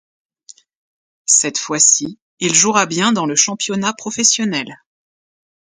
Cette fois-ci il jouera bien dans le championnat professionnel.